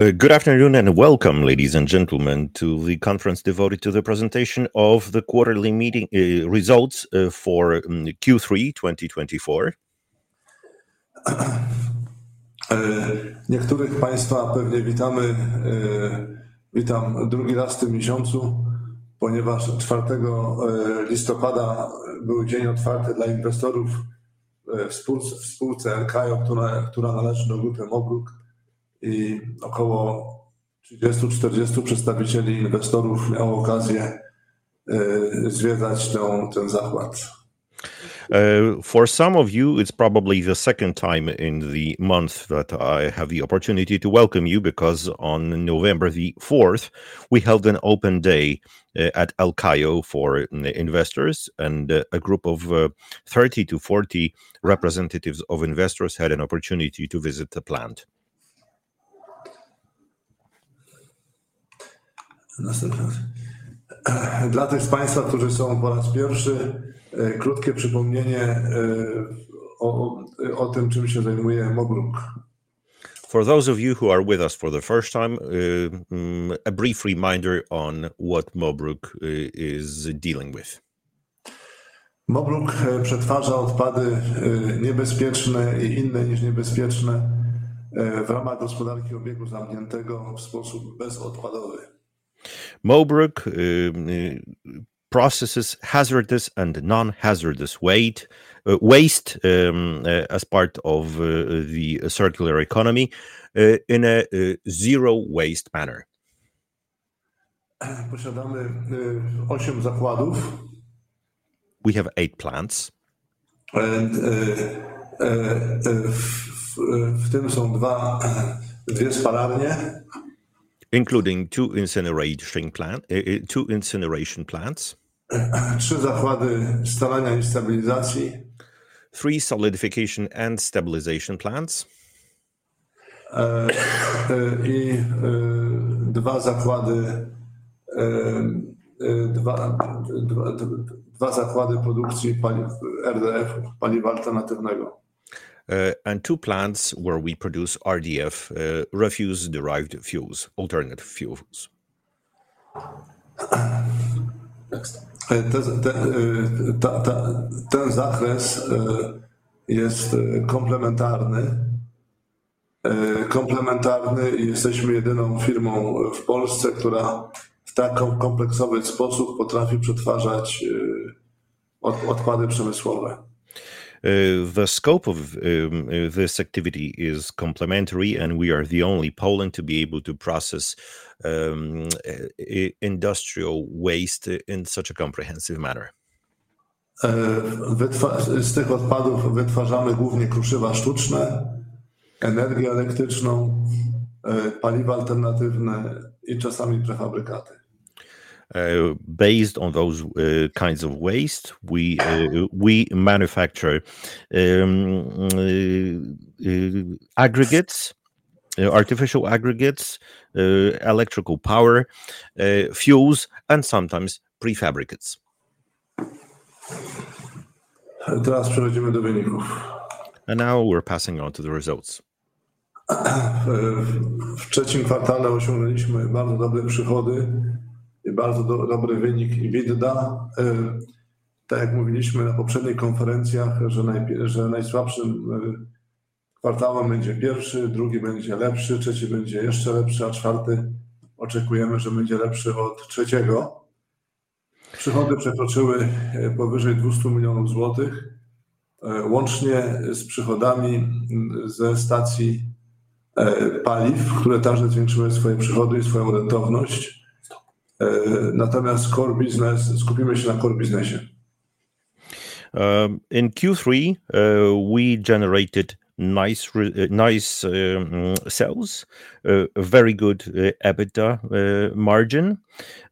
Good afternoon and welcome, ladies and gentlemen, to the conference devoted to the presentation of the quarterly meeting results for Q3 2024. Niektórych Państwa pewnie witamy. Witam drugi raz w tym miesiącu, ponieważ 4 listopada był dzień otwarty dla inwestorów w spółce El-Kajo, która należy do Mo-BRUK, i około 30-40 przedstawicieli inwestorów miało okazję zwiedzać ten zakład. For some of you, it's probably the second time in the month that I have the opportunity to welcome you, because on November 4th we held an open day at El-Kajo for investors, and a group of 30 to 40 representatives of investors had an opportunity to visit the plant. Dla tych z Państwa, którzy są po raz pierwszy, krótkie przypomnienie o tym, czym się zajmuje Mo-BRUK. For those of you who are with us for the first time, a brief reminder on what Mo-BRUK is dealing with. Mo-BRUK przetwarza odpady niebezpieczne i inne niż niebezpieczne w ramach gospodarki obiegu zamkniętego w sposób bezodpadowy. Mo-BRUK processes hazardous and non-hazardous waste as part of the circular economy in a zero-waste manner. Posiadamy 8 zakładów. We have 8 plants. W tym są dwie spalarnie. Including two incineration plants. Trzy zakłady spalania i stabilizacji. Three solidification and stabilization plants. I dwa zakłady produkcji RDF, paliwa alternatywnego. And two plants where we produce RDF, refuse-derived fuels, alternative fuels. Ten zakres jest komplementarny. Jesteśmy jedyną firmą w Polsce, która w tak kompleksowy sposób potrafi przetwarzać odpady przemysłowe. The scope of this activity is complementary, and we are the only company in Poland to be able to process industrial waste in such a comprehensive manner. Z tych odpadów wytwarzamy głównie kruszywa sztuczne, energię elektryczną, paliwa alternatywne i czasami prefabrykaty. Based on those kinds of waste, we manufacture aggregates, artificial aggregates, electrical power, fuels, and sometimes prefabricates. Teraz przechodzimy do wyników. Now we're passing on to the results. W trzecim kwartale osiągnęliśmy bardzo dobre przychody i bardzo dobry wynik EBITDA. Tak jak mówiliśmy na poprzednich konferencjach, że najsłabszym kwartałem będzie pierwszy, drugi będzie lepszy, trzeci będzie jeszcze lepszy, a czwarty oczekujemy, że będzie lepszy od trzeciego. Przychody przekroczyły powyżej 200 milionów złotych, łącznie z przychodami ze stacji paliw, które także zwiększyły swoje przychody i swoją rentowność. Natomiast core business - skupimy się na core businessie. In Q3, we generated nice sales, very good EBITDA margin.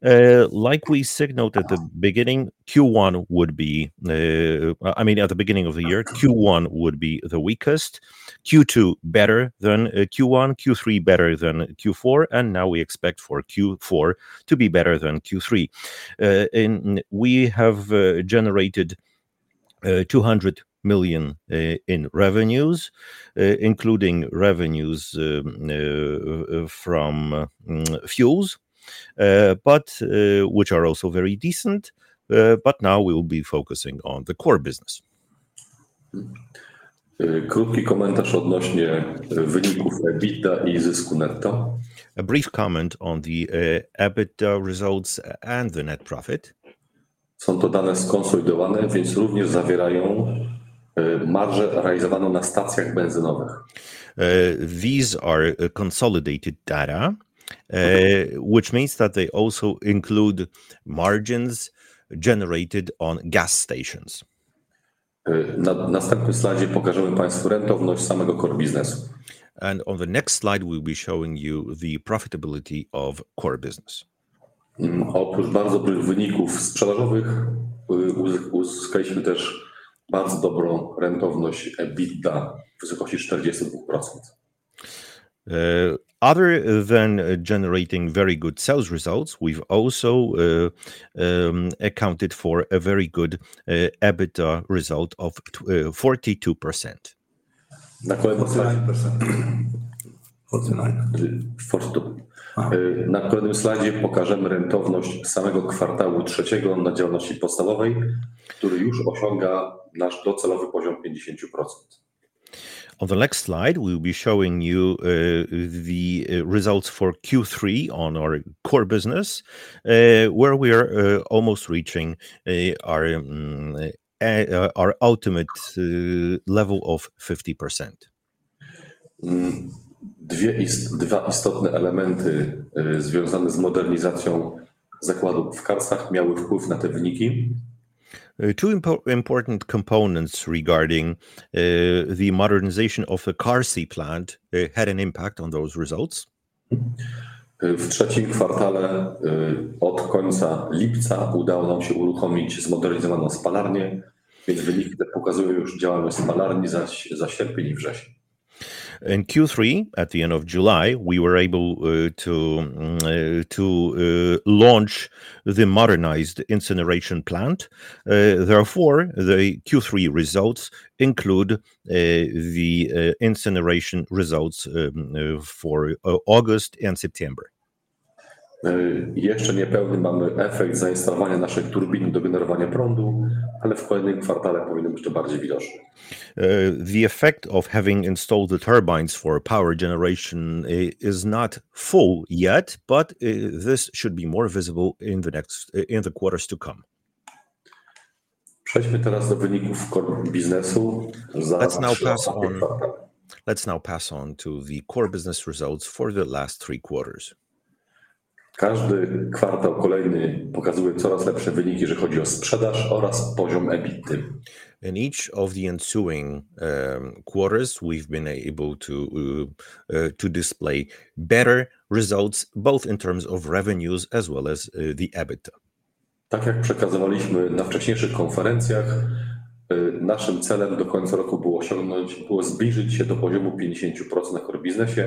Like we signaled at the beginning, Q1 would be, I mean, at the beginning of the year, Q1 would be the weakest. Q2 better than Q1, Q3 better than Q2, and now we expect for Q4 to be better than Q3. We have generated $200 million in revenues, including revenues from fuels, which are also very decent, but now we will be focusing on the core business. Krótki komentarz odnośnie wyników EBITDA i zysku netto. A brief comment on the EBITDA results and the net profit. Są to dane skonsolidowane, więc również zawierają marżę realizowaną na stacjach benzynowych. These are consolidated data, which means that they also include margins generated on gas stations. Na następnym slajdzie pokażemy Państwu rentowność samego core businessu. On the next slide, we will be showing you the profitability of core business. Oprócz bardzo dobrych wyników sprzedażowych, uzyskaliśmy też bardzo dobrą rentowność EBITDA w wysokości 42%. Other than generating very good sales results, we've also accounted for a very good EBITDA result of 42%. Na kolejnym slajdzie pokażemy rentowność samego kwartału trzeciego na działalności podstawowej, który już osiąga nasz docelowy poziom 50%. On the next slide, we will be showing you the results for Q3 on our core business, where we are almost reaching our ultimate level of 50%. Dwa istotne elementy związane z modernizacją zakładu w Karsyach miały wpływ na te wyniki. Two important components regarding the modernization of the Karsy plant had an impact on those results. W trzecim kwartale, od końca lipca, udało nam się uruchomić zmodernizowaną spalarnię, więc wyniki te pokazują już działalność spalarni za sierpień i wrzesień. In Q3, at the end of July, we were able to launch the modernized incineration plant. Therefore, the Q3 results include the incineration results for August and September. Jeszcze niepełny mamy efekt zainstalowania naszych turbin do generowania prądu, ale w kolejnym kwartale powinien być to bardziej widoczne. The effect of having installed the turbines for power generation is not full yet, but this should be more visible in the quarters to come. Przejdźmy teraz do wyników core businessu. Let's now pass on to the core business results for the last three quarters. Każdy kwartał kolejny pokazuje coraz lepsze wyniki, jeżeli chodzi o sprzedaż oraz poziom EBITDA. In each of the ensuing quarters, we've been able to display better results, both in terms of revenues as well as the EBITDA. Tak jak przekazywaliśmy na wcześniejszych konferencjach, naszym celem do końca roku było zbliżyć się do poziomu 50% na core businessie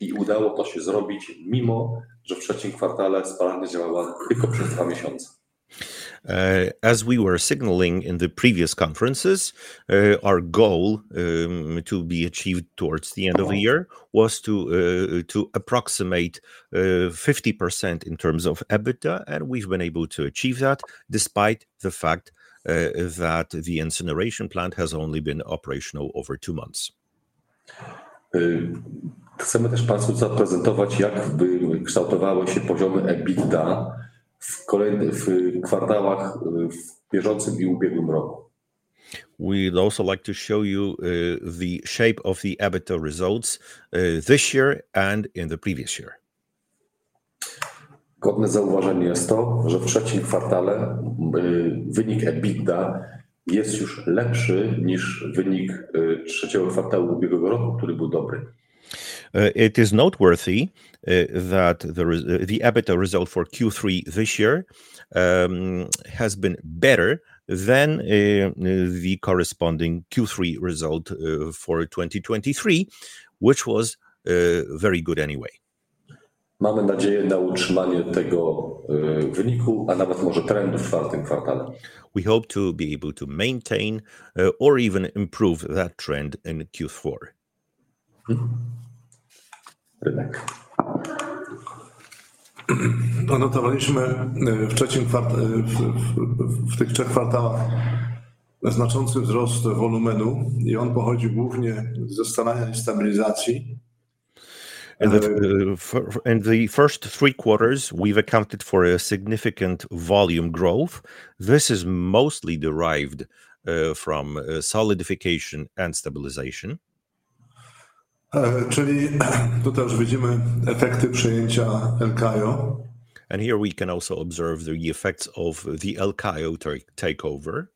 i udało to się zrobić, mimo że w trzecim kwartale spalarnia działała tylko przez dwa miesiące. As we were signaling in the previous conferences, our goal to be achieved towards the end of the year was to approximate 50% in terms of EBITDA, and we've been able to achieve that despite the fact that the incineration plant has only been operational over two months. Chcemy też Państwu zaprezentować, jak kształtowały się poziomy EBITDA w kwartałach w bieżącym i ubiegłym roku. We'd also like to show you the shape of the EBITDA results this year and in the previous year. Godne zauważenia jest to, że w trzecim kwartale wynik EBITDA jest już lepszy niż wynik trzeciego kwartału ubiegłego roku, który był dobry. It is noteworthy that the EBITDA result for Q3 this year has been better than the corresponding Q3 result for 2023, which was very good anyway. Mamy nadzieję na utrzymanie tego wyniku, a nawet może trendu w czwartym kwartale. We hope to be able to maintain or even improve that trend in Q4. Anotowaliśmy w trzecim kwartale, w tych trzech kwartałach, znaczący wzrost wolumenu i on pochodzi głównie ze spalania i stabilizacji. In the first three quarters, we've accounted for a significant volume growth. This is mostly derived from solidification and stabilization. Czyli tutaj już widzimy efekty przejęcia EL-Kajo. And here we can also observe the effects of the El-Kajo takeover.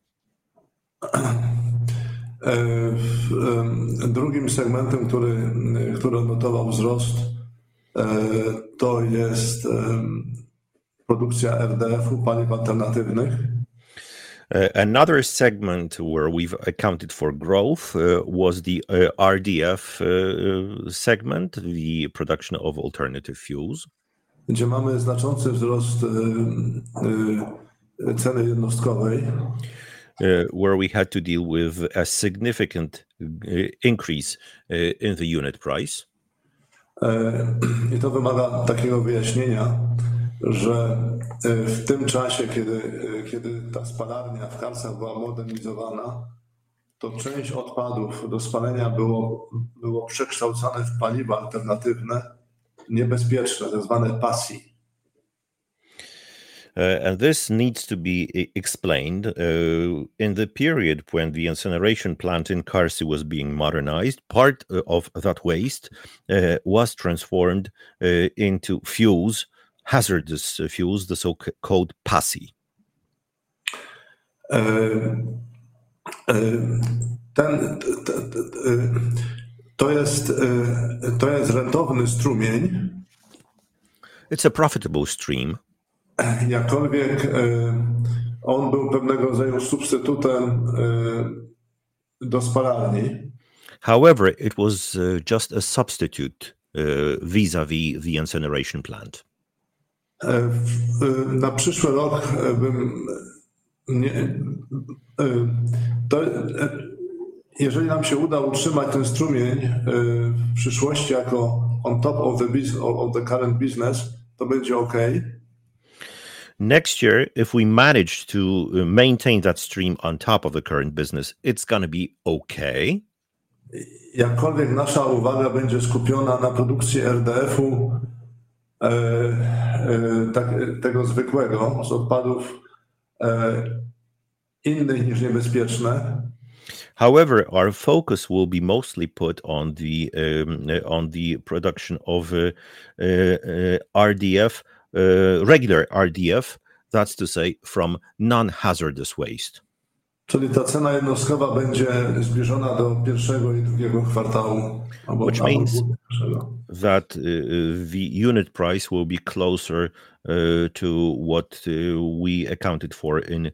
Drugim segmentem, który odnotował wzrost, to jest produkcja RDF-u, paliw alternatywnych. Another segment where we've accounted for growth was the RDF segment, the production of alternative fuels. Gdzie mamy znaczący wzrost ceny jednostkowej. Where we had to deal with a significant increase in the unit price. I to wymaga takiego wyjaśnienia, że w tym czasie, kiedy ta spalarnia w Karsyach była modernizowana, to część odpadów do spalenia było przekształcane w paliwa alternatywne, niebezpieczne, tak zwane PASI. This needs to be explained. In the period when the incineration plant in Karsy was being modernized, part of that waste was transformed into hazardous fuels, the so-called PASI. To jest rentowny strumień. It's a profitable stream. Jakkolwiek on był pewnego rodzaju substytutem do spalarni. However, it was just a substitute vis-à-vis the incineration plant. Na przyszły rok, jeżeli nam się uda utrzymać ten strumień w przyszłości jako on top of the current business, to będzie okej. Next year, if we manage to maintain that stream on top of the current business, it's going to be okay. Jakkolwiek nasza uwaga będzie skupiona na produkcji RDF-u, tego zwykłego, z odpadów innych niż niebezpieczne. However, our focus will be mostly put on the production of regular RDF, that's to say from non-hazardous waste. Czyli ta cena jednostkowa będzie zbliżona do pierwszego i drugiego kwartału obok ciepła. That the unit price will be closer to what we accounted for in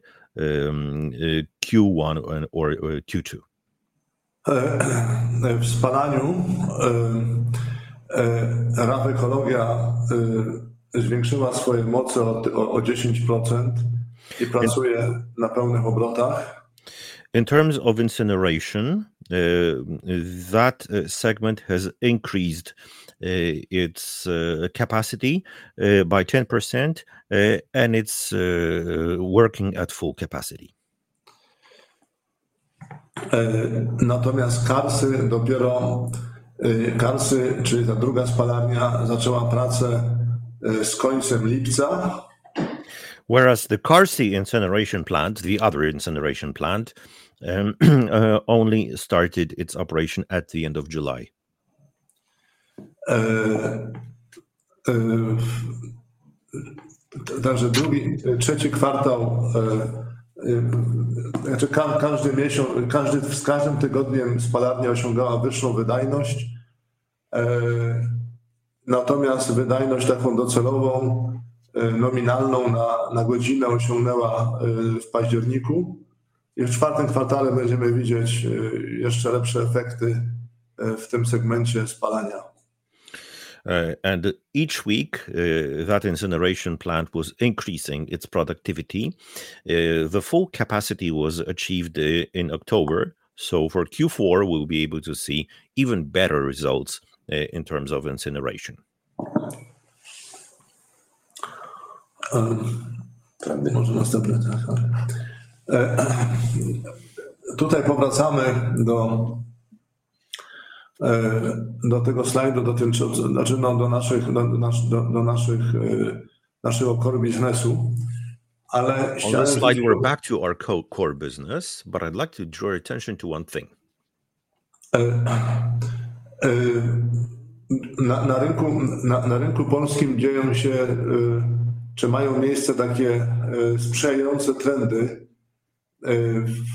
Q1 or Q2. W spalaniu Raf-Ekologia zwiększyła swoje moce o 10% i pracuje na pełnych obrotach. In terms of incineration, that segment has increased its capacity by 10% and it's working at full capacity. Natomiast Karsy, dopiero Karsy, czyli ta druga spalarnia, zaczęła pracę z końcem lipca. Whereas the Karsy incineration plant, the other incineration plant, only started its operation at the end of July. Także drugi, trzeci kwartał, znaczy każdy miesiąc, każdy z każdym tygodniem spalarnia osiągała wyższą wydajność. Natomiast wydajność taką docelową, nominalną na godzinę osiągnęła w październiku i w czwartym kwartale będziemy widzieć jeszcze lepsze efekty w tym segmencie spalania. Each week that incineration plant was increasing its productivity. The full capacity was achieved in October, so for Q4 we'll be able to see even better results in terms of incineration. Tutaj powracamy do tego slajdu, znaczy do naszego core businessu, ale chciałem... On the slide, we're back to our core business, but I'd like to draw your attention to one thing. Na rynku polskim dzieją się, czy mają miejsce takie sprzyjające trendy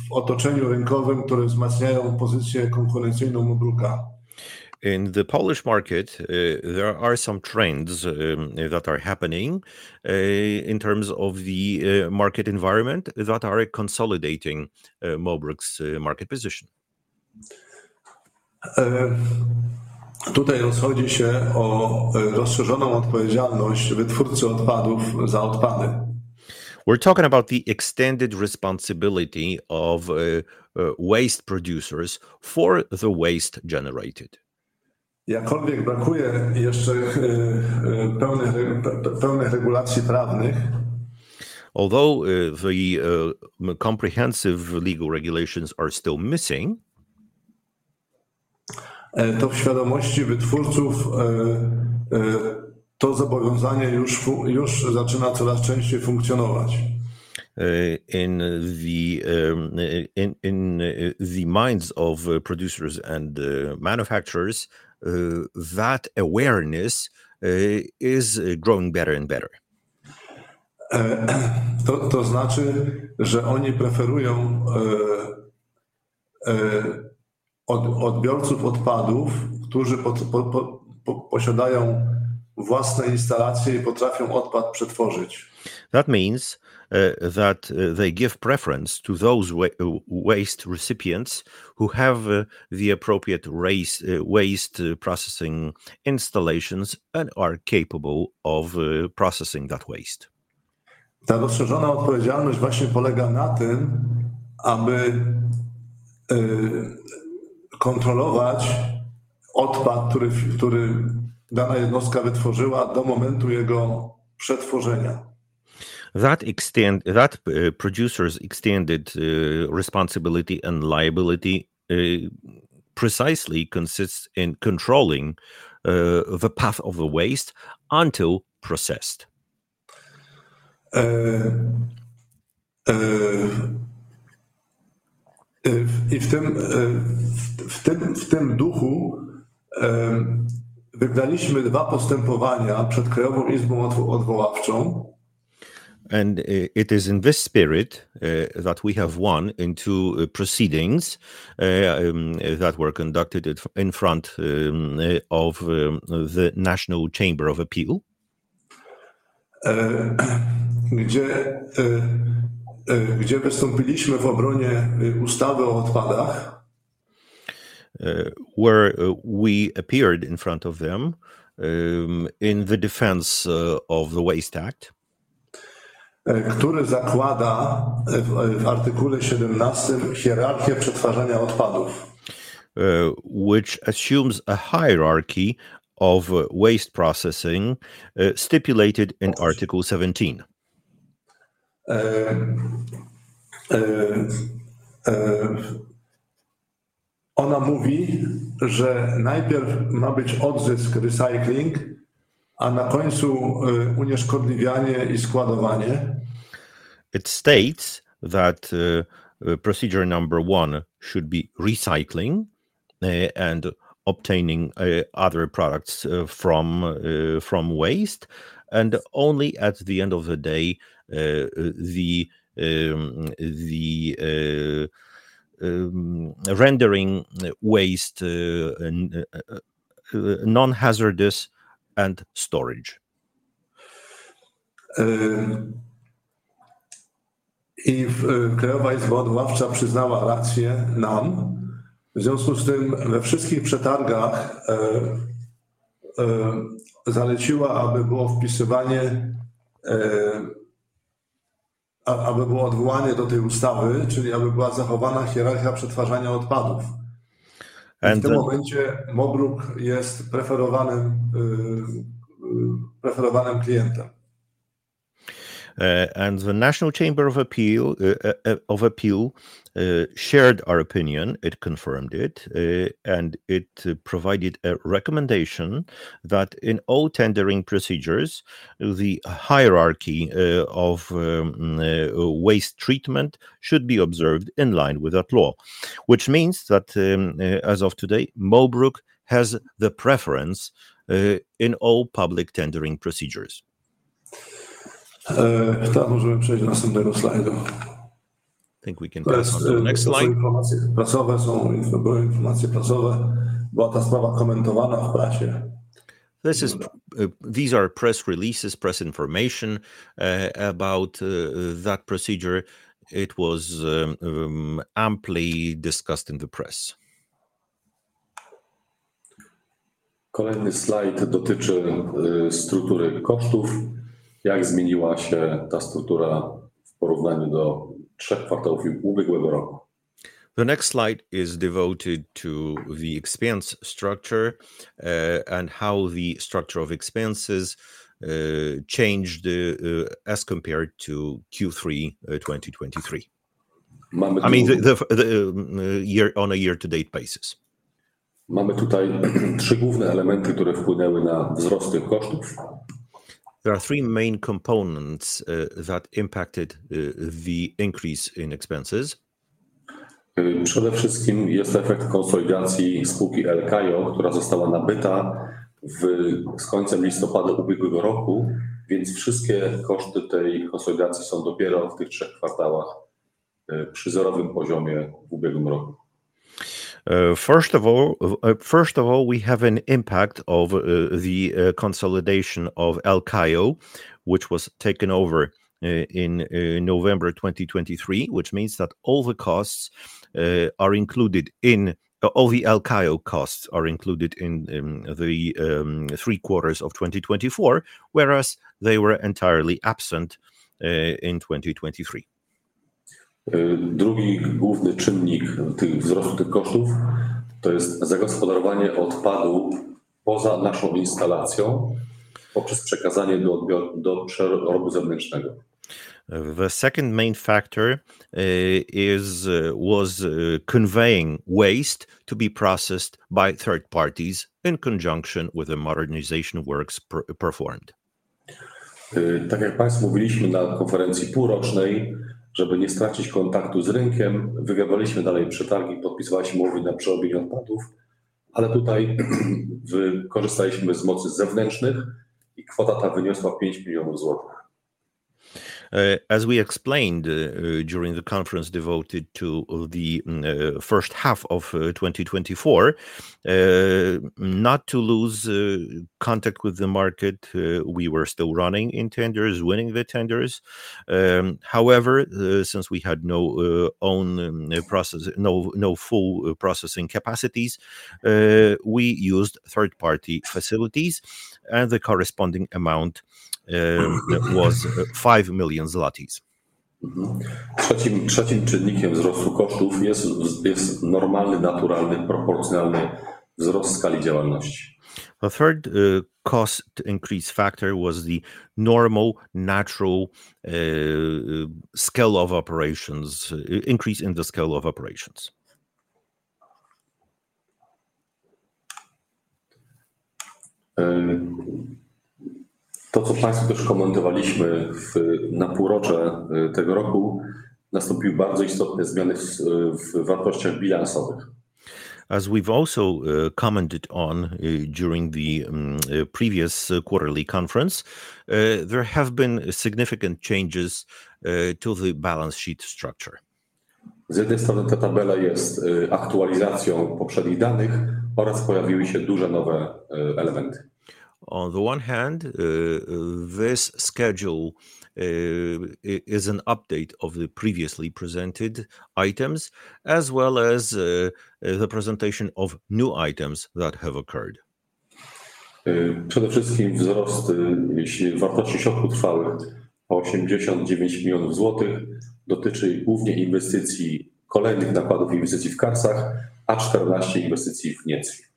w otoczeniu rynkowym, które wzmacniają pozycję konkurencyjną Mo-BRUK-a. In the Polish market, there are some trends that are happening in terms of the market environment that are consolidating Mo-BRUK's market position. Tutaj rozchodzi się o rozszerzoną odpowiedzialność wytwórcy odpadów za odpady. We're talking about the extended responsibility of waste producers for the waste generated. Jakkolwiek brakuje jeszcze pełnych regulacji prawnych. Although the comprehensive legal regulations are still missing. To w świadomości wytwórców to zobowiązanie już zaczyna coraz częściej funkcjonować. In the minds of producers and manufacturers, that awareness is growing better and better. To znaczy, że oni preferują odbiorców odpadów, którzy posiadają własne instalacje i potrafią odpad przetworzyć. That means that they give preference to those waste recipients who have the appropriate waste processing installations and are capable of processing that waste. Ta rozszerzona odpowiedzialność właśnie polega na tym, aby kontrolować odpad, który dana jednostka wytworzyła do momentu jego przetworzenia. That producer's extended responsibility and liability precisely consists in controlling the path of the waste until processed. W tym duchu wygraliśmy dwa postępowania przed Krajową Izbą Odwoławczą. It is in this spirit that we have won into proceedings that were conducted in front of the National Chamber of Appeal. Gdzie wystąpiliśmy w obronie ustawy o odpadach. Where we appeared in front of them in the defense of the Waste Act. Który zakłada w artykule 17 hierarchię przetwarzania odpadów. Which assumes a hierarchy of waste processing stipulated in Article 17. Ona mówi, że najpierw ma być odzysk, recycling, a na końcu unieszkodliwianie i składowanie. It states that procedure number one should be recycling and obtaining other products from waste, and only at the end of the day the rendering waste non-hazardous and storage. Krajowa Izba Odwoławcza przyznała rację nam, w związku z tym we wszystkich przetargach zaleciła, aby było wpisywanie, aby było odwołanie do tej ustawy, czyli aby była zachowana hierarchia przetwarzania odpadów. W tym momencie Mo-BRUK jest preferowanym klientem. The National Chamber of Appeal shared our opinion, confirmed it, and provided a recommendation that in all tendering procedures the hierarchy of waste treatment should be observed in line with that law, which means that as of today Mo-BRUK has the preference in all public tendering procedures. Chyba możemy przejść do następnego slajdu. I think we can pass on to the next slide. To są informacje prasowe, są informacje prasowe, była ta sprawa komentowana w prasie. These are press releases, press information about that procedure. It was amply discussed in the press. Kolejny slajd dotyczy struktury kosztów, jak zmieniła się ta struktura w porównaniu do trzech kwartałów ubiegłego roku. The next slide is devoted to the expense structure and how the structure of expenses changed as compared to Q3 2023. I mean, on a year-to-date basis. Mamy tutaj trzy główne elementy, które wpłynęły na wzrost tych kosztów. There are three main components that impacted the increase in expenses. Przede wszystkim jest to efekt konsolidacji spółki El-KAJO, która została nabyta z końcem listopada ubiegłego roku, więc wszystkie koszty tej konsolidacji są dopiero w tych trzech kwartałach przy zerowym poziomie w ubiegłym roku. First of all, we have an impact of the consolidation of El-Kajo, which was taken over in November 2023, which means that all the costs are included in, all the El-Kajo costs are included in the three quarters of 2024, whereas they were entirely absent in 2023. Drugi główny czynnik wzrostu tych kosztów to jest zagospodarowanie odpadu poza naszą instalacją poprzez przekazanie do przerobu zewnętrznego. The second main factor was conveying waste to be processed by third parties in conjunction with the modernization works performed. Tak jak Państwu mówiliśmy na konferencji półrocznej, żeby nie stracić kontaktu z rynkiem, wygrywaliśmy dalej przetargi, podpisywaliśmy umowy na przerobienie odpadów, ale tutaj korzystaliśmy z mocy zewnętrznych i kwota ta wyniosła 5 milionów złotych. As we explained during the conference devoted to the first half of 2024, not to lose contact with the market, we were still running in tenders, winning the tenders. However, since we had no full processing capacities, we used third-party facilities and the corresponding amount was 5 million zlotys. Trzecim czynnikiem wzrostu kosztów jest normalny, naturalny, proporcjonalny wzrost skali działalności. The third cost increase factor was the normal, natural scale of operations increase in the scale of operations. To, co Państwu też komentowaliśmy na półrocze tego roku, nastąpiły bardzo istotne zmiany w wartościach bilansowych. As we've also commented on during the previous quarterly conference, there have been significant changes to the balance sheet structure. Z jednej strony ta tabela jest aktualizacją poprzednich danych oraz pojawiły się duże nowe elementy. On the one hand, this schedule is an update of the previously presented items, as well as the presentation of new items that have occurred. Przede wszystkim wzrost wartości środków trwałych o 89 milionów złotych dotyczy głównie inwestycji, kolejnych nakładów inwestycyjnych w Karsyach, a także inwestycji w Gnieźnie.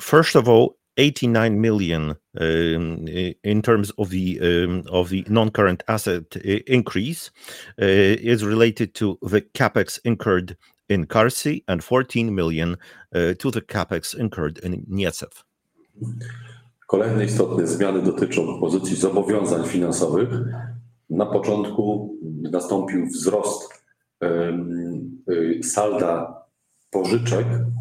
First of all, $89 million in terms of the non-current asset increase is related to the Gniezno incurred in Karsy and $14 million to the CapEx incurred in Gniezno. Kolejne istotne zmiany dotyczą pozycji zobowiązań finansowych. Na początku nastąpił wzrost salda pożyczek, są to dwie pożyczki z Funduszu Ochrony Środowiska na kwotę 44 miliony złotych.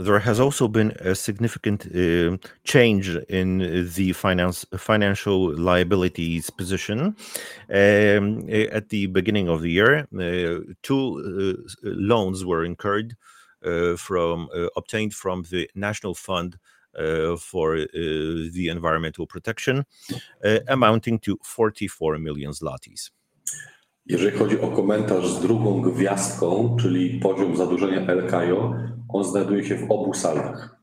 There has also been a significant change in the financial liabilities position. At the beginning of the year, two loans were obtained from the National Fund for the Environmental Protection, amounting to 44 million zlotys. Jeżeli chodzi o komentarz z drugą gwiazdką, czyli poziom zadłużenia EL-KAJO, on znajduje się w obu salwach.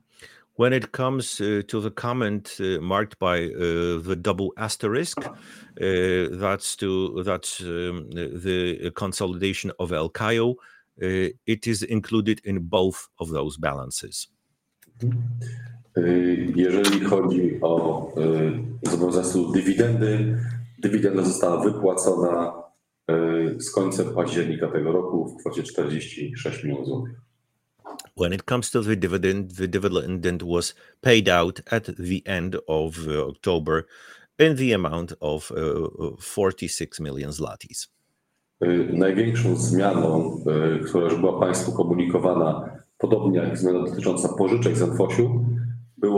When it comes to the comment marked by the double asterisk, that's the consolidation of El-Kajo, it is included in both of those balances. Jeżeli chodzi o zobowiązania tytułu dywidendy, dywidenda została wypłacona z końcem października tego roku w kwocie 46 milionów złotych. When it comes to the dividend, the dividend was paid out at the end of October in the amount of 46 million złoty. Największą zmianą, która już była Państwu komunikowana, podobnie jak zmiana dotycząca pożyczek z NFOŚiGW, było podpisanie umowy na leasing zwrotny dwóch nowych modułów, których nie finansował NFOŚiGW w inwestycji Karsy. The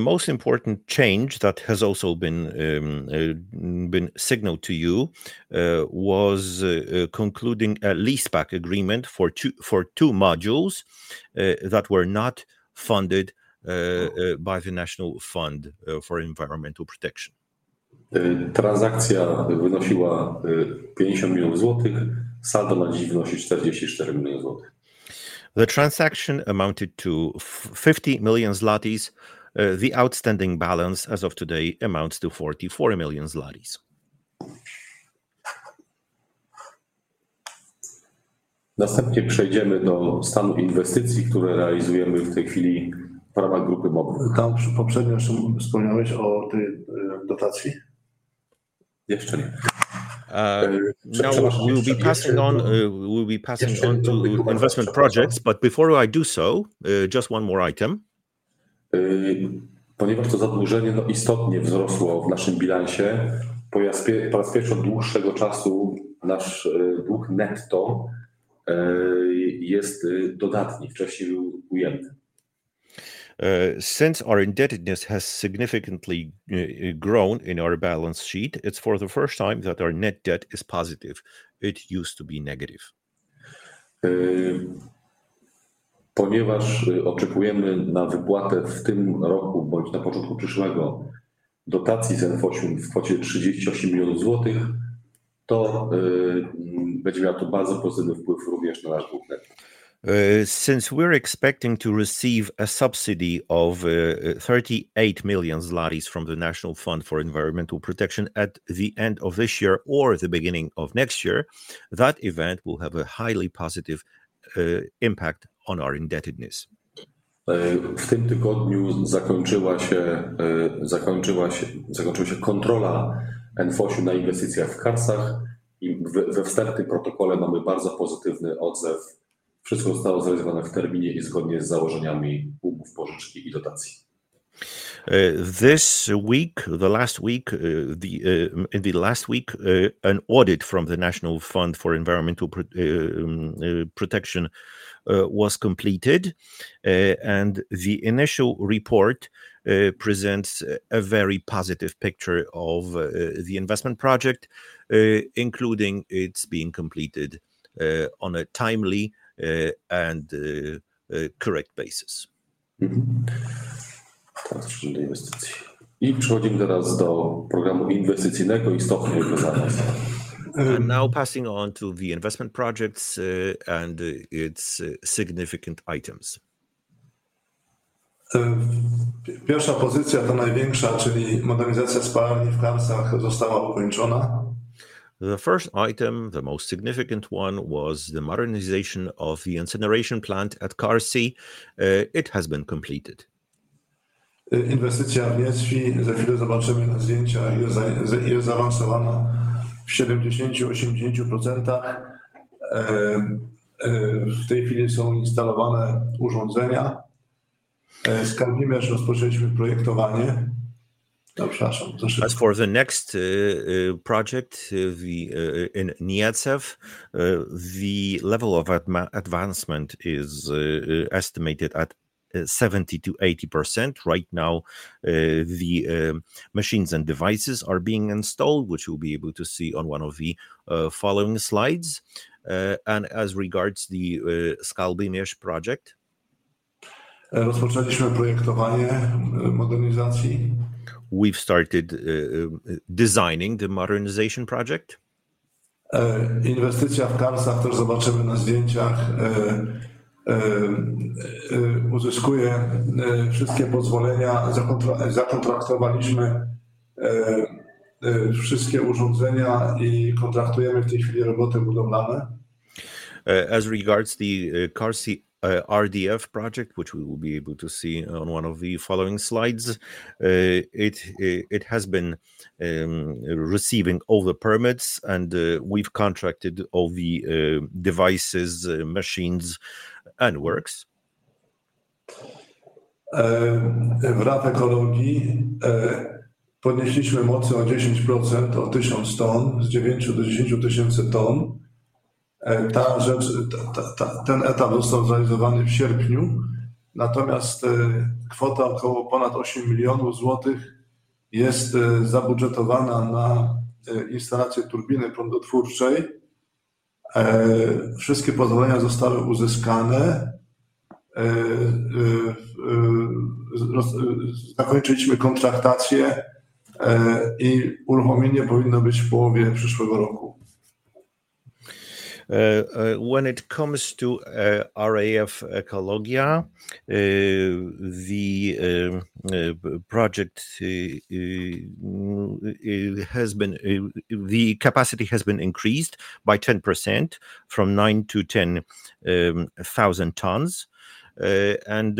most important change that has also been signaled to you was concluding a lease-back agreement for two modules that were not funded by the National Fund for Environmental Protection. Transakcja wynosiła 50 milionów złotych, saldo na dziś wynosi 44 miliony złotych. The transaction amounted to 50 million zlotys, the outstanding balance as of today amounts to 44 million zlotys. Następnie przejdziemy do stanu inwestycji, które realizujemy w tej chwili w ramach grupy Mo-BRUK. Poprzednio jeszcze wspomniałeś o tej dotacji? Jeszcze nie. We'll be passing on to investment projects, but before I do so, just one more item. Ponieważ to zadłużenie istotnie wzrosło w naszym bilansie, po raz pierwszy od dłuższego czasu nasz dług netto jest dodatni, wcześniej był ujemny. Since our indebtedness has significantly grown in our balance sheet, it's for the first time that our net debt is positive. It used to be negative. Ponieważ oczekujemy na wypłatę w tym roku bądź na początku przyszłego dotacji z NFOŚiGW w kwocie 38 milionów złotych, to będzie miało to bardzo pozytywny wpływ również na nasz dług netto. Since we're expecting to receive a subsidy of 38 million złotych from the National Fund for Environmental Protection at the end of this year or the beginning of next year, that event will have a highly positive impact on our indebtedness. W tym tygodniu zakończyła się kontrola NFOŚ na inwestycjach w Karsyach i we wstępnym protokole mamy bardzo pozytywny odzew. Wszystko zostało zrealizowane w terminie i zgodnie z założeniami umów pożyczki i dotacji. This week, in the last week, an audit from the National Fund for Environmental Protection was completed, and the initial report presents a very positive picture of the investment project, including its being completed on a timely and correct basis. I przechodzimy teraz do programu inwestycyjnego i stopni jego zawiązywania. Now passing on to the investment projects and its significant items. Pierwsza pozycja, ta największa, czyli modernizacja spalarni w Krakowie, została ukończona. The first item, the most significant one, was the modernization of the incineration plant at Karsy. It has been completed. Inwestycja w Gnieźnie, za chwilę zobaczymy na zdjęciach, jest zaawansowana w 70-80%. W tej chwili są instalowane urządzenia. Z Skalbmierz już rozpoczęliśmy projektowanie. Przepraszam. As for the next project in Gniezno, the level of advancement is estimated at 70-80%. Right now, the machines and devices are being installed, which you'll be able to see on one of the following slides. As regards the Skalbmierz project. Rozpoczęliśmy projektowanie modernizacji. We've started designing the modernization project. Inwestycja w Karsyach, też zobaczymy na zdjęciach, uzyskuje wszystkie pozwolenia. Zakontraktowaliśmy wszystkie urządzenia i kontraktujemy w tej chwili roboty budowlane. As regards the Karsy RDF project, which we will be able to see on one of the following slides, it has been receiving all the permits, and we've contracted all the devices, machines, and works. W ramach ekologii podnieśliśmy mocy o 10%, o 1000 ton, z 9 do 10 tysięcy ton. Ten etap został zrealizowany w sierpniu, natomiast kwota około ponad 8 milionów złotych jest zabudżetowana na instalację turbiny prądotwórczej. Wszystkie pozwolenia zostały uzyskane. Zakończyliśmy kontraktację i uruchomienie powinno być w połowie przyszłego roku. When it comes to RAF Ekologia, the capacity has been increased by 10% from 9 to 10 thousand tons, and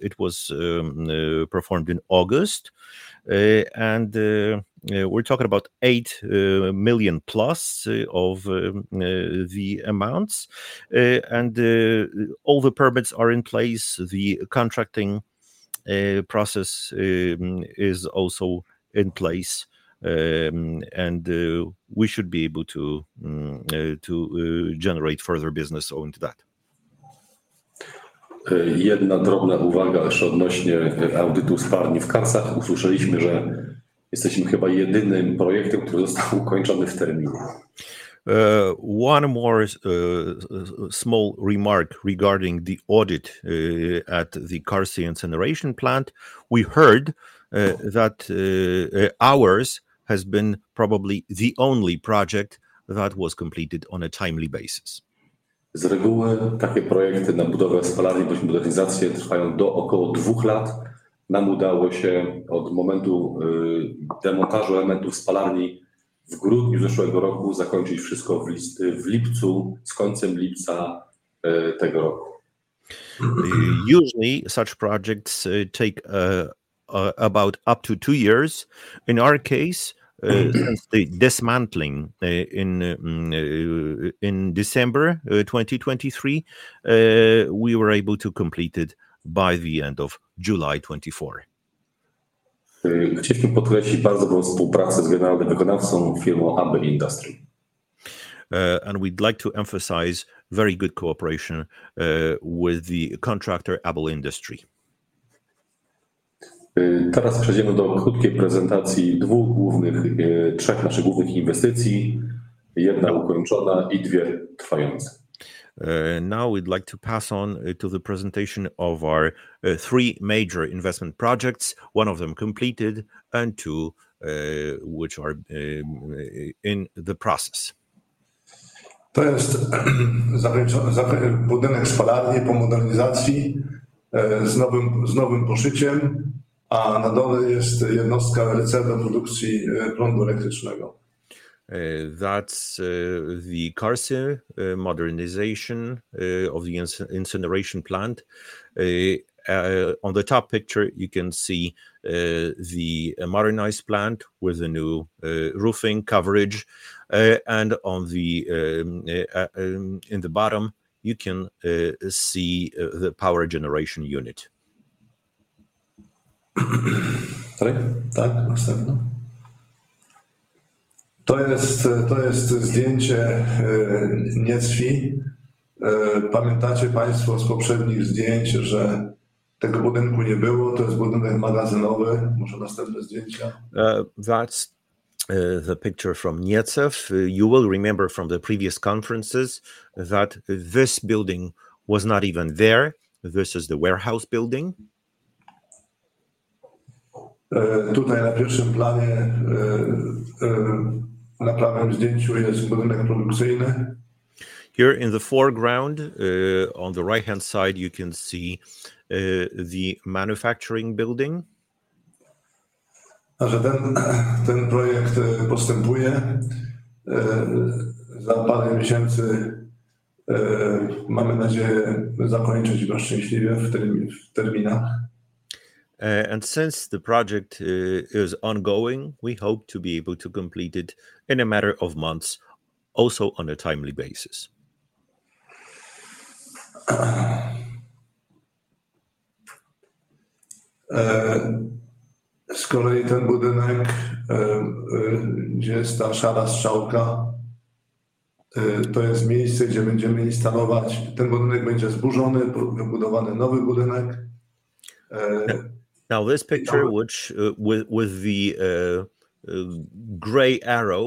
it was performed in August. We're talking about $8 million plus of the amounts, and all the permits are in place. The contracting process is also in place, and we should be able to generate further business owing to that. Jedna drobna uwaga jeszcze odnośnie audytu spalni w Karsyach. Usłyszeliśmy, że jesteśmy chyba jedynym projektem, który został ukończony w terminie. One more small remark regarding the audit at the Karsy incineration plant. We heard that ours has been probably the only project that was completed on a timely basis. Z reguły takie projekty na budowę spalarni, bądź modernizację, trwają do około dwóch lat. Nam udało się od momentu demontażu elementów spalarni w grudniu zeszłego roku zakończyć wszystko w lipcu, z końcem lipca tego roku. Usually, such projects take about up to two years. In our case, since the dismantling in December 2023, we were able to complete it by the end of July 2024. Chcieliśmy podkreślić bardzo dobrą współpracę z generalnym wykonawcą, firmą Abel Industry. We'd like to emphasize very good cooperation with the contractor Abel Industry. Teraz przejdziemy do krótkiej prezentacji dwóch głównych, trzech naszych głównych inwestycji. Jedna ukończona i dwie trwające. Now we'd like to pass on to the presentation of our three major investment projects, one of them completed and two which are in the process. To jest budynek spalarni po modernizacji z nowym poszyciem, a na dole jest jednostka RC do produkcji prądu elektrycznego. That's the Karsy modernization of the incineration plant. On the top picture, you can see the modernized plant with the new roofing coverage, and in the bottom, you can see the power generation unit. Tak, następna. To jest zdjęcie Gniezna. Pamiętacie Państwo z poprzednich zdjęć, że tego budynku nie było. To jest budynek magazynowy. Może następne zdjęcia. That's the picture from Gniezno. You will remember from the previous conferences that this building was not even there versus the warehouse building. Tutaj na pierwszym planie, na prawym zdjęciu, jest budynek produkcyjny. Here in the foreground, on the right-hand side, you can see the manufacturing building. Także ten projekt postępuje. Za parę miesięcy mamy nadzieję zakończyć go szczęśliwie w terminach. Since the project is ongoing, we hope to be able to complete it in a matter of months, also on a timely basis. Z kolei ten budynek, gdzie jest ta szara strzałka, to jest miejsce, gdzie będziemy instalować. Ten budynek będzie zburzony, wybudowany nowy budynek. Now this picture, which with the gray arrow,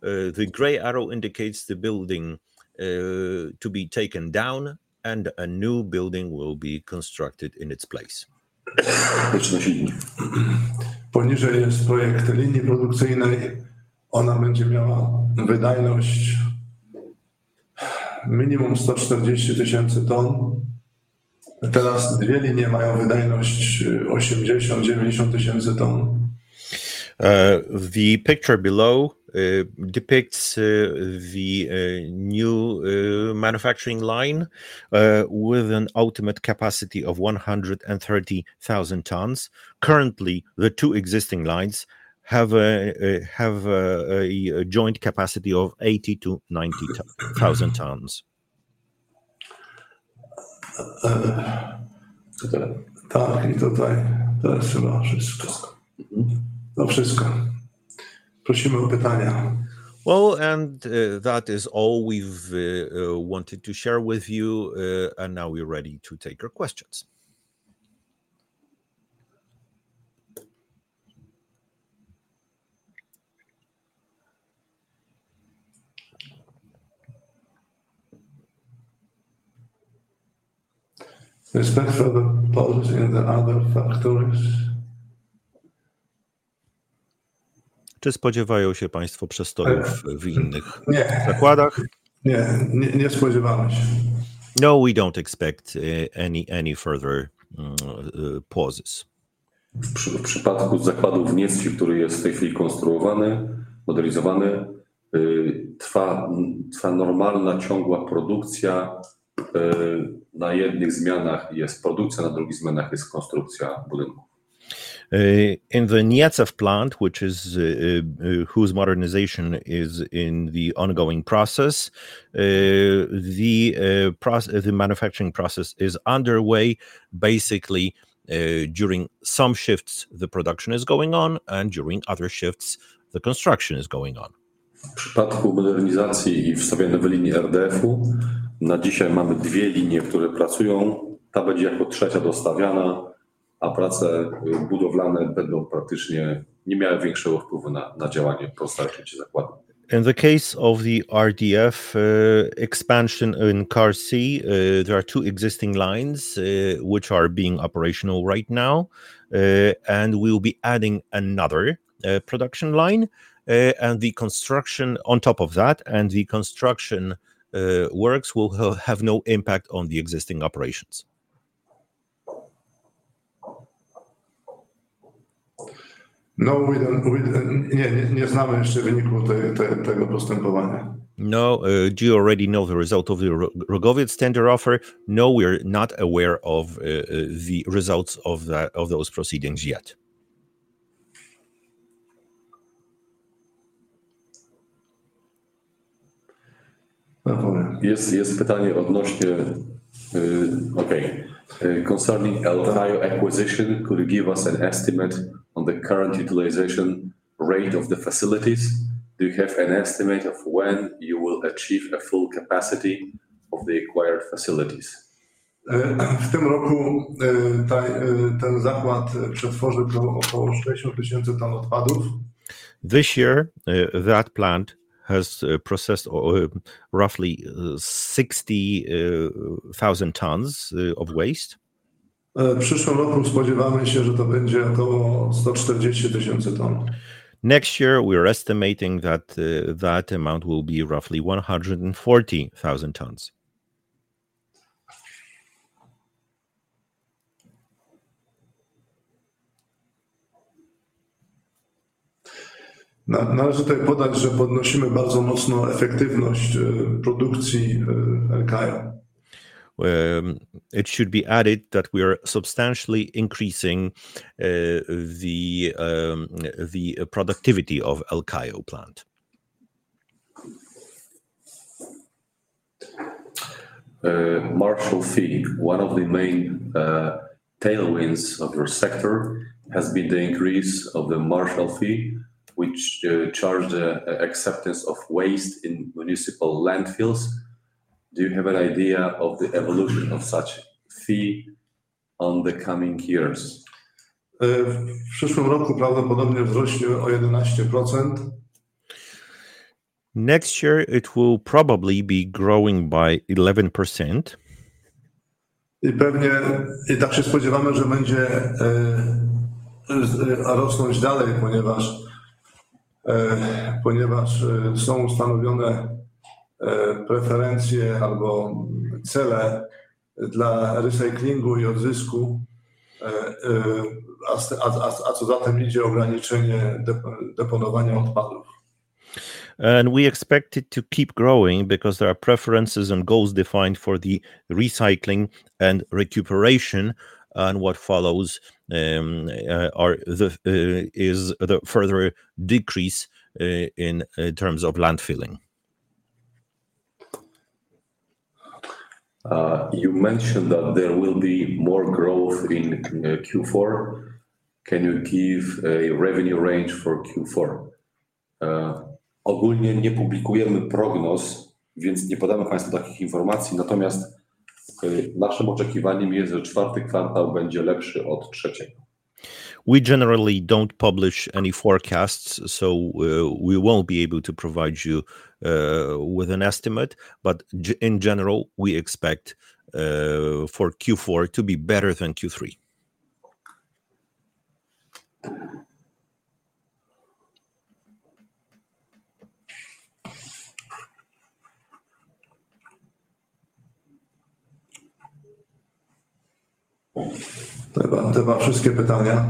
the gray arrow indicates the building to be taken down and a new building will be constructed in its place. Jeszcze na dole jest projekt linii produkcyjnej. Ona będzie miała wydajność minimum 140 tysięcy ton. Teraz dwie linie mają wydajność 80-90 tysięcy ton. The picture below depicts the new manufacturing line with an ultimate capacity of 130,000 tons. Currently, the two existing lines have a joint capacity of 80,000 to 90,000 tons. Tak, i tutaj to jest chyba wszystko. To wszystko. Prosimy o pytania. That is all we've wanted to share with you, and now we're ready to take your questions. Respect for the pause in the other factories. Czy spodziewają się Państwo przestojów w innych zakładach? Nie, nie spodziewamy się. No, we don't expect any further pauses. W przypadku zakładu w Gnieźnie, który jest w tej chwili konstruowany, modernizowany, trwa normalna, ciągła produkcja. Na jednych zmianach jest produkcja, na drugich zmianach jest konstrukcja budynku. In the Gniezno plant, whose modernization is in the ongoing process, the manufacturing process is underway. Basically, during some shifts, the production is going on, and during other shifts, the construction is going on. W przypadku modernizacji i wstawiania nowej linii RDF-u, na dzisiaj mamy dwie linie, które pracują. Ta będzie jako trzecia dostawiana, a prace budowlane będą praktycznie nie miały większego wpływu na działanie pozostałych części zakładu. In the case of the RDF expansion in Karsy, there are two existing lines which are being operational right now, and we will be adding another production line. The construction on top of that and the construction works will have no impact on the existing operations. Nie, nie znamy jeszcze wyniku tego postępowania. No, do you already know the result of the Mo-BRUK standard offer? No, we're not aware of the results of those proceedings yet. Jest pytanie odnośnie, okej, concerning El-Kajo acquisition, could you give us an estimate on the current utilization rate of the facilities? Do you have an estimate of when you will achieve a full capacity of the acquired facilities? W tym roku ten zakład przetworzy około 60 tysięcy ton odpadów. This year, that plant has processed roughly 60,000 tons of waste. W przyszłym roku spodziewamy się, że to będzie około 140 tysięcy ton. Next year, we are estimating that that amount will be roughly 140,000 tons. Należy tutaj podać, że podnosimy bardzo mocno efektywność produkcji El-Kajo. It should be added that we are substantially increasing the productivity of the El-Kajo plant. Marshal fee, one of the main tailwinds of your sector, has been the increase of the marshal fee, which charged the acceptance of waste in municipal landfills. Do you have an idea of the evolution of such fee in the coming years? W przyszłym roku prawdopodobnie wzrośnie o 11%. Next year, it will probably be growing by 11%. I pewnie i tak się spodziewamy, że będzie rosnąć dalej, ponieważ są ustanowione preferencje albo cele dla recyclingu i odzysku, a co za tym idzie, ograniczenie deponowania odpadów. We expect it to keep growing because there are preferences and goals defined for the recycling and recuperation, and what follows is the further decrease in terms of landfilling. You mentioned that there will be more growth in Q4. Can you give a revenue range for Q4? Ogólnie nie publikujemy prognoz, więc nie podamy Państwu takich informacji, natomiast naszym oczekiwaniem jest, że czwarty kwartał będzie lepszy od trzeciego. We generally don't publish any forecasts, so we won't be able to provide you with an estimate, but in general, we expect for Q4 to be better than Q3. Chyba to chyba wszystkie pytania.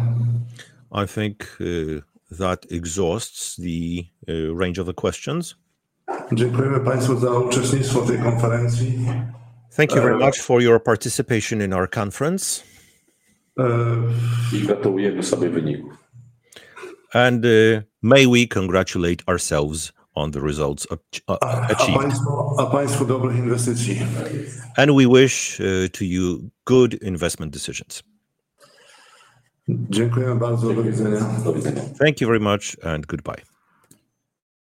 I think that exhausts the range of the questions. Dziękujemy Państwu za uczestnictwo w tej konferencji. Thank you very much for your participation in our conference. I gotujemy sobie wyników. May we congratulate ourselves on the results achieved. A Państwu dobrych inwestycji. We wish you good investment decisions. Dziękujemy bardzo, do widzenia. Thank you very much and goodbye.